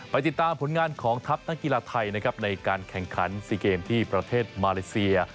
ติดตามผลงานของทัพนักกีฬาไทยนะครับในการแข่งขัน๔เกมที่ประเทศมาเลเซีย